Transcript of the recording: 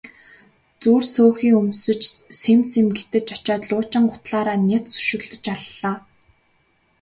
Зүр сөөхий өмсөж сэм сэм гэтэж очоод луучин гутлаараа няц өшиглөж аллаа.